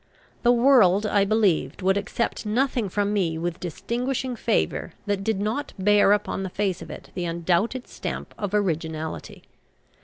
The world, I believed, would accept nothing from me with distinguishing favour that did not bear upon the face of it the undoubted stamp of originality.